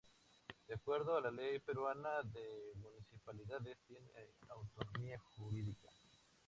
De acuerdo a la ley peruana de municipalidades tiene autonomía jurídica.